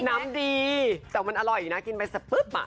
น้ำดีแต่มันอร่อยอีกนะกินไปซะปึ๊บป่ะ